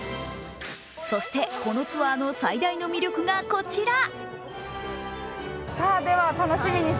そしてこのツアーの最大の魅力がこちら。